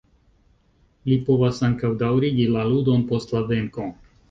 Li povas ankaŭ daŭrigi la ludon post la venko.